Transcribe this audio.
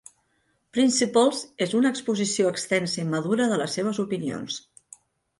"Principles" és una exposició extensa i madura de les seves opinions.